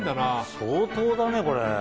相当だねこれ。